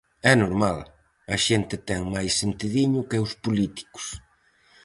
É normal, a xente ten máis sentidiño que os políticos.